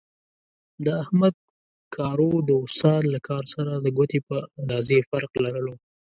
د احمد کارو د استاد له کار سره د ګوتې په اندازې فرق لرلو.